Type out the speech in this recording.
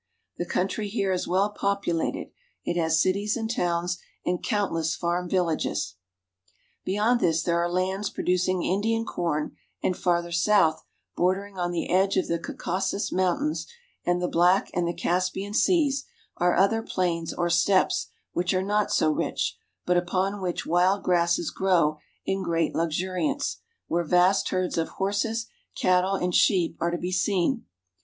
The coun try here is well populated. It has cities and towns and countless farm villages. GENERAL VIEW OF RUSSIA. 317 Beyond this there are lands producing Indian corn, and farther south, bordering on the edge of the Caucasus Mountains and the Black and the Caspian seas, are other plains, or steppes, which are not so rich, but upon which wild grasses grow in great luxuriance, where vast herds of horses, cattle, and sheep are to be seen.